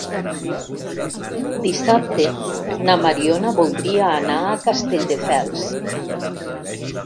Dissabte na Mariona voldria anar a Castelldefels.